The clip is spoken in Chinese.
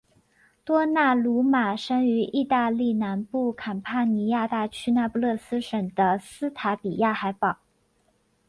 多纳鲁马生于义大利南部坎帕尼亚大区那不勒斯省的斯塔比亚海堡。